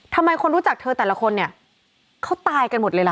ทำไมคนรู้จักเธอแต่ละคนเนี่ยเขาตายกันหมดเลยล่ะ